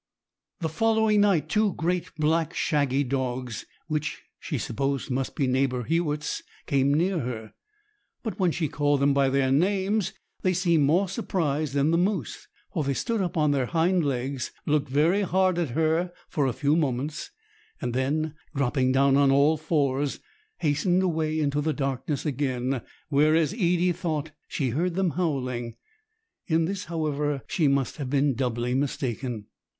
The following night two great, black, shaggy dogs, which she supposed must be neighbour Hewett's, came near her; but when she called them by their names they seemed more surprised than the moose, for they stood up on their hind legs, looked very hard at her for a few moments, and then, dropping down on all fours, hastened away into the darkness again, where, as Edie thought, she heard them howling. In this, however, she must have been doubly mistaken.